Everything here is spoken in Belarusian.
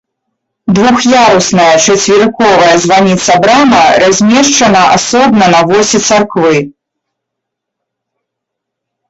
Двух'ярусная чацверыковая званіца-брама размешчана асобна на восі царквы.